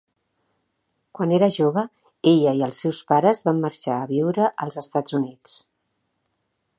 Quan era jove, ella i els seus pares van marxar a viure als Estats Units.